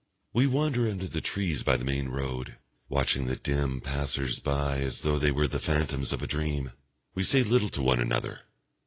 We wander under the trees by the main road, watching the dim passers by as though they were the phantoms of a dream. We say little to one another.